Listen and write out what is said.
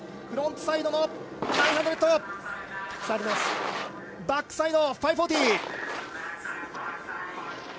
フロントサイド７２０